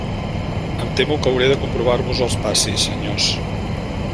Em temo que hauré de comprovar-vos els passis, senyors.